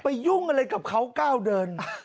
ไปยุ่งกับเขาก้าวเดินนะ